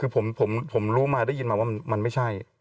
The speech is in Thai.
คือผมรู้มาได้ยินมาว่ามันไม่ใช่